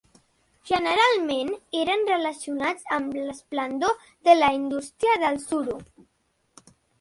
Generalment eren relacionats amb l'esplendor de la indústria del suro.